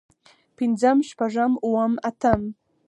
پنځم شپږم اووم اتم